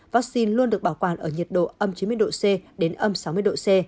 vaccine luôn được bảo quản ở nhiệt độ ấm chín mươi độ c đến ấm sáu mươi độ c